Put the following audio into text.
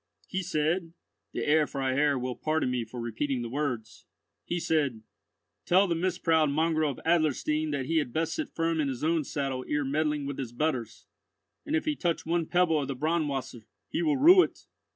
"He said—(the Herr Freiherr will pardon me for repeating the words)—he said, 'Tell the misproud mongrel of Adlerstein that he had best sit firm in his own saddle ere meddling with his betters, and if he touch one pebble of the Braunwasser, he will rue it.